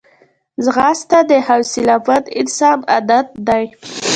ځغاسته د حوصلهمند انسان عادت دی